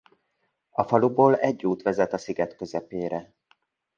A faluból egy út vezet a sziget közepére.